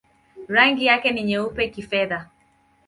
Rangi yake ni nyeupe-kifedha.